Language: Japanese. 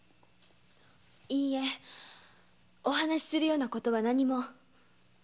いいえお話するような事は何も。